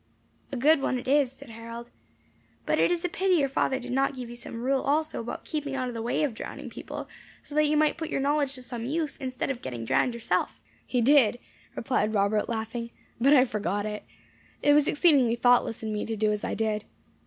"A good one it is," said Harold. "But it is a pity your father did not give you some rule also about keeping out of the way of drowning people so that you might put your knowledge to some use, instead of getting drowned yourself." "He did," replied Robert, laughing, "but I forgot it. It was exceedingly thoughtless in me to do as I did.